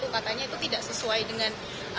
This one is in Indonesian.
katanya itu tidak sesuai dengan